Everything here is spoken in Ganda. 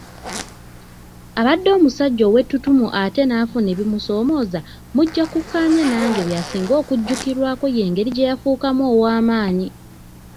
Abaddeko omusajja ow'ettutumu ate n'afuna ebimusoomooza, mujja kukkaanya nange, by'asinga okujjukirwako y'engeri gyeyafuukamu ow'amaanyi.